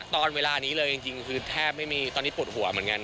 ตอนเวลานี้เลยจริงคือแทบไม่มีตอนนี้ปวดหัวเหมือนกัน